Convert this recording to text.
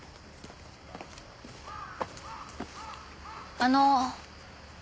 あの。